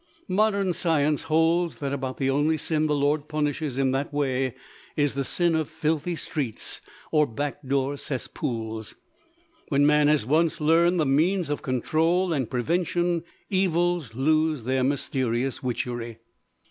Modern science holds that about the only sin the Lord punishes in that way is the sin of filthy streets, or back door cess pools. When man has once learned the means of control and prevention, evils lose their mysterious witchery.